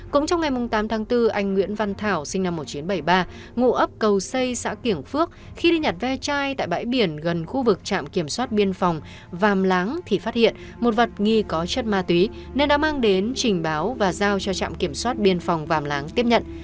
cũng trong ngày tám tháng bốn anh nguyễn văn thảo sinh năm một nghìn chín trăm bảy mươi ba ngụ ấp cầu xây xã kiểng phước khi đi nhặt ve chai tại bãi biển gần khu vực trạm kiểm soát biên phòng vàm láng thì phát hiện một vật nghi có chất ma túy nên đã mang đến trình báo và giao cho trạm kiểm soát biên phòng vàm láng tiếp nhận